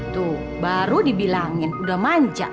tuh baru dibilangin udah manja